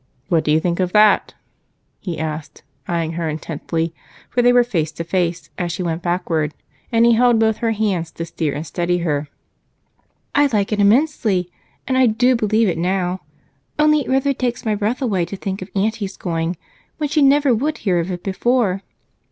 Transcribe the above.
What do you think of that?" he asked, eyeing her intently, for they were face to face as she went backward and he held both of her hands to steer and steady her. "I like it immensely, and do believe it now only it rather takes my breath away to think of Aunty's going, when she never would hear of it before."